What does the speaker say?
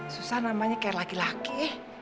susah namanya kayak laki laki